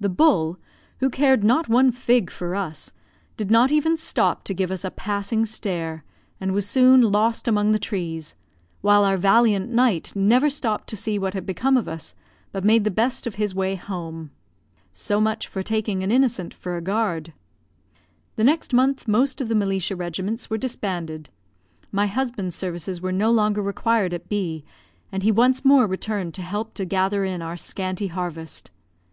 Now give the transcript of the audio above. The bull, who cared not one fig for us, did not even stop to give us a passing stare, and was soon lost among the trees; while our valiant knight never stopped to see what had become of us, but made the best of his way home. So much for taking an innocent for a guard. The next month most of the militia regiments were disbanded. My husband's services were no longer required at B , and he once more returned to help to gather in our scanty harvest.